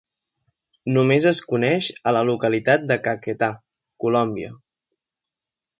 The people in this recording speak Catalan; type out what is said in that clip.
Només es coneix a la localitat de Caquetá, Colòmbia.